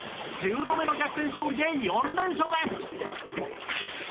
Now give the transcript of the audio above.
１０度目の逆転勝利で４連勝です！